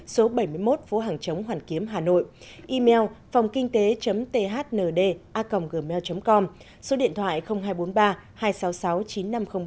số bảy mươi một phố hàng chống hoàn kiếm hà nội email phòngkinhtế thnda gmail com số điện thoại hai trăm bốn mươi ba hai trăm sáu mươi sáu chín nghìn năm trăm linh ba